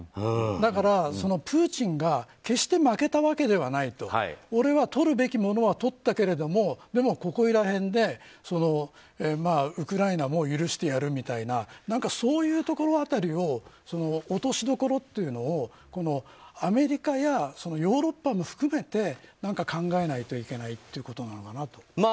だから、プーチンが決して負けたわけではないと俺は取るべきものは取ったけれどもでも、ここいら辺でウクライナも許してやるみたいなそういうところ辺りを落としどころというのをアメリカやヨーロッパも含めて何か考えないといけないということなのかなと。